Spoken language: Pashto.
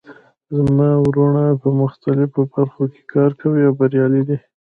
زما وروڼه په مختلفو برخو کې کار کوي او بریالي دي